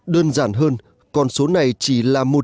đơn giản hơn con số này chỉ là một triệu